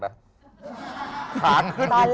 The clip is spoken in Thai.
ค่านขึ้นจริง